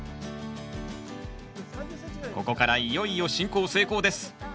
ここからいよいよ深耕精耕です。